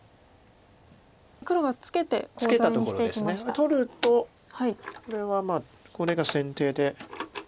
取るとこれはこれが先手で。